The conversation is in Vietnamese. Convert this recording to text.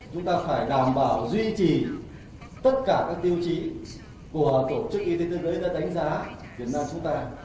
chúng ta phải đảm bảo duy trì tất cả các tiêu chí của tổ chức y tế thế giới đã đánh giá việt nam chúng ta